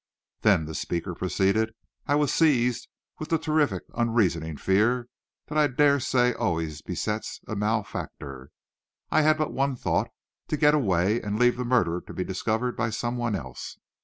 "Then," the speaker proceeded, "I was seized with the terrific, unreasoning fear that I dare say always besets a malefactor. I had but one thought, to get away, and leave the murder to be discovered by some one else.